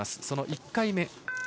その１回目。